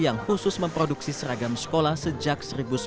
yang khusus memproduksi seragam sekolah sejak seribu sembilan ratus sembilan puluh